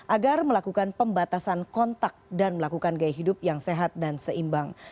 agar melakukan pembatasan kontak dan melakukan gaya hidup yang sehat dan seimbang